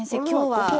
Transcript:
今日は。